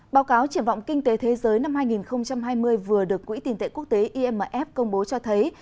báo cáo triển vọng kinh tế thế giới năm hai nghìn hai mươi vừa được quỹ tiền tệ quốc tế imf công bố cho thấy